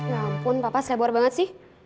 ya ampun papa selebar banget sih